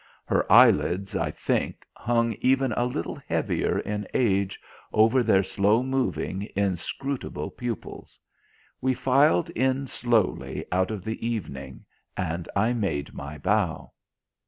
Her eye lids, I think, hung even a little heavier in age over their slow moving inscrutable pupils. We filed in softly out of the evening, and I made my bow.